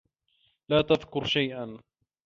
لا تذكرِ شيئا.